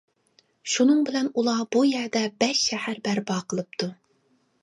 شۇنىڭ بىلەن ئۇلار بۇ يەردە بەش شەھەر بەرپا قىلىپتۇ.